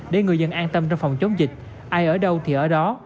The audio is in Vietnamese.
để người dân an tâm trong phòng chống dịch ai ở đâu thì ở đó